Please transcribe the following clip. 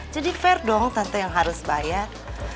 jadi fair dong tante yang harus bayar